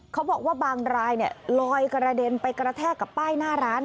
เขาบอกว่าบางรายลอยกระเด็นไปกระแทกกับป้ายหน้าร้าน